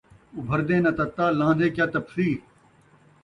ابھردیں نہ تتا، لہن٘دیں کیا تپسی